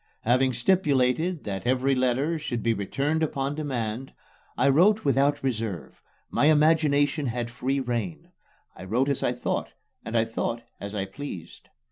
Having stipulated that every letter should be returned upon demand, I wrote without reserve my imagination had free rein. I wrote as I thought, and I thought as I pleased.